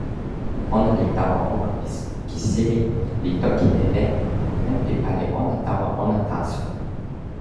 ona li tawa poka pi poki seli, li toki e len pi pali ona tawa ona taso.